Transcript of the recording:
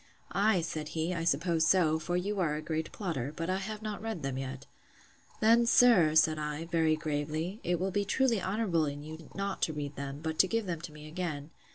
Ay, said he, I suppose so; for you are a great plotter: but I have not read them yet. Then, sir, said I, very gravely, it will be truly honourable in you not to read them; but to give them to me again.